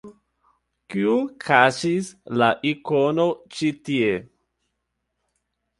Kiu kaŝis la ikonon ĉi tie?